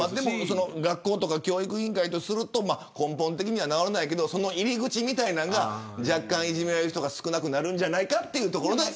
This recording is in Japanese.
学校とか教育委員会とすると根本的には直らないけどその入り口みたいなのが若干、いじめられる人が少なくなるんじゃないかというところで。